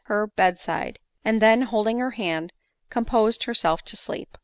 her bedside, and then, holding her hand, composed her self to sleep.